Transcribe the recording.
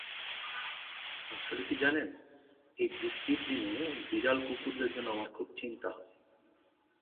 Miss Moon উক্ত boarding হাউসে স্বামীজীর জন্য একটি সভার ব্যবস্থা করিয়াছিলেন।